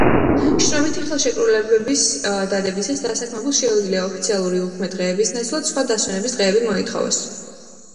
შრომითი ხელშეკრულების დადებისას დასაქმებულს შეუძლია ოფიციალური უქმე დღეების ნაცვლად სხვა დასვენების დღეები მოითხოვოს.